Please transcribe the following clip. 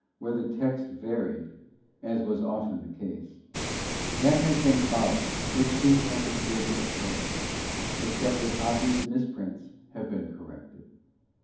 Where the text varied, as was often the case, that has been followed which seemed to have the greater authority, except that obvious misprints have been corrected.